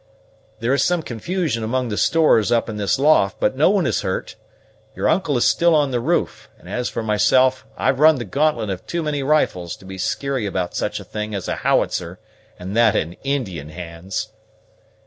There is some confusion among the stores up in this loft, but no one is hurt. Your uncle is still on the roof; and, as for myself, I've run the gauntlet of too many rifles to be skeary about such a thing as a howitzer, and that in Indian hands."